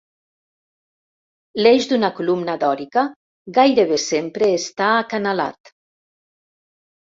L'eix d'una columna dòrica gairebé sempre està acanalat.